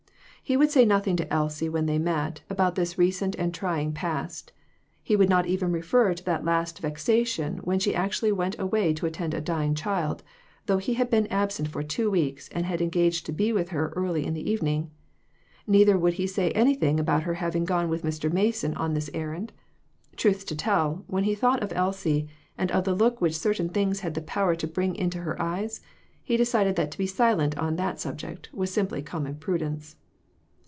He would say nothing to Elsie when they met, about this recent and trying past. He would not even refer to that last vexation when she actually went away to attend a dying child, though he had been absent for two weeks and had engaged to be with her early in the evening; neither would he say anything about her having gone with Mr. Mason on this errand. Truth to tell, when he thought of Elsie and of the look which certain things had the power to bring into her eyes, he decided that to be silent on that subject was simply common prudence.